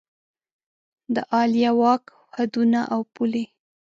د عالیه واک حدونه او پولې